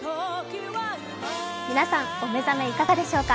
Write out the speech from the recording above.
皆さん、お目覚めいかがでしょうか。